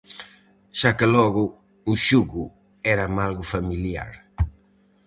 Xa que logo, o xugo érame algo familiar.